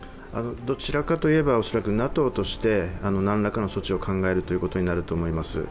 どちらかといえば、恐らくＮＡＴＯとして何らかの措置を考えるということになると思います。